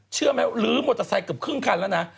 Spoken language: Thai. เชื่อไหมลื้อมอเตอร์ไซค์เกือบครึ่งคันแล้วนะ